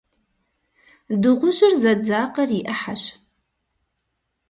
Дыгъужьыр зэдзакъэр и ӏыхьэщ.